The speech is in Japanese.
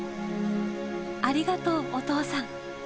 「ありがとうお父さん」。